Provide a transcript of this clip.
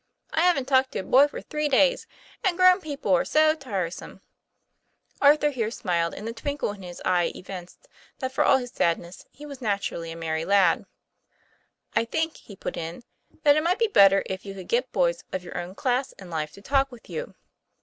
I haven't talked to a boy for three days ; and grown people are so tiresome !' Arthur here smiled, and the twinkle in his eye evinced that for all his sadness he was naturally a merry lad. "I think," he put in, "that it might be better if you could get boys of your own class in life to talk with you."